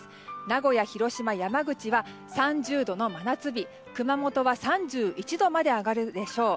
名古屋、広島、山口は３０度の真夏日、熊本は３１度まで上がるでしょう。